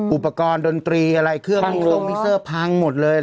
อุปกรณ์ดนตรีอะไรเครื่องทรงมิเซอร์พังหมดเลย